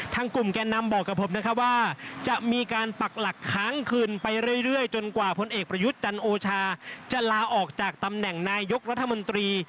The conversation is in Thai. กลุ่มแก่นำบอกกับผมนะครับว่าจะมีการปักหลักค้างคืนไปเรื่อยจนกว่าพลเอกประยุทธ์จันโอชาจะลาออกจากตำแหน่งนายกรัฐมนตรี